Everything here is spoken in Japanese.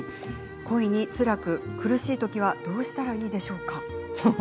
恋につらく苦しいときはどうしたらいいでしょうか。